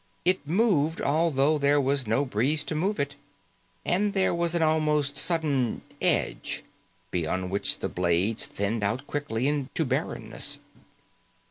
It moved, although there was no breeze to move it. And there was an almost sudden edge, beyond which the blades thinned out quickly to barrenness.